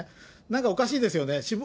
なんかおかしいですよね。